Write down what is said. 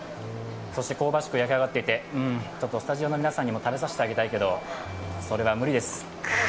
そして香ばしく焼き上がっていてスタジオの皆さんにも食べさせてあげたいけど、それは無理です。